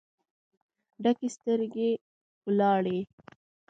ډکې سترګې ولاړې